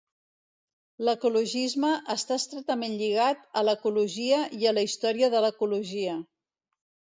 L'ecologisme està estretament lligat a l'ecologia i a la història de l'ecologia.